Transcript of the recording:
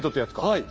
はい。